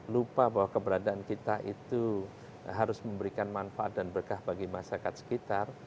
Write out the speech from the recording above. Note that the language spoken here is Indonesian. lupa bahwa keberadaan kita itu harus memberikan manfaat dan berkah bagi masyarakat sekitar